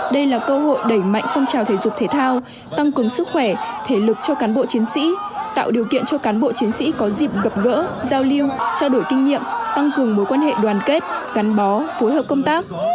đây là cơ hội đẩy mạnh phong trào thể dục thể thao tăng cường sức khỏe thể lực cho cán bộ chiến sĩ tạo điều kiện cho cán bộ chiến sĩ có dịp gặp gỡ giao lưu trao đổi kinh nghiệm tăng cường mối quan hệ đoàn kết gắn bó phối hợp công tác